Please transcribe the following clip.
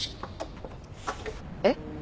えっ？